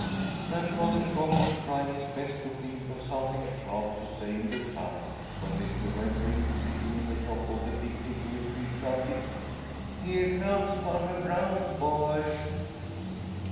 Grandfather Frog was trying his best to think of something sharp to say in reply, when Mr. Redwing, sitting in the top of the big hickory tree, shouted: "Here comes Farmer Brown's boy!"